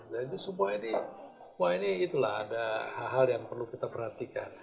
jadi semua ini semua ini itulah ada hal hal yang perlu kita perhatikan